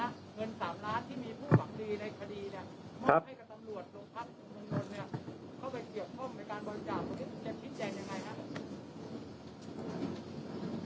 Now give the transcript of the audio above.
ให้กับตำรวจตรงพักษ์เมืองนนท์เนี่ยเข้าไปเกี่ยวข้อมูลการบริการ